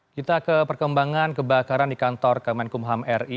kita ke perkembangan kebakaran di kantor kemenkum ham ri